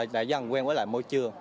đã dần quen với lại môi trường